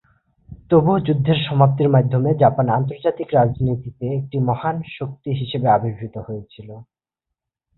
তবুও যুদ্ধের সমাপ্তির মাধ্যমে জাপান আন্তর্জাতিক রাজনীতিতে একটি মহান শক্তি হিসাবে আবির্ভূত হয়েছিল।